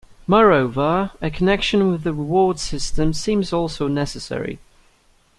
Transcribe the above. Moreover, a connection with the reward system seems also necessary.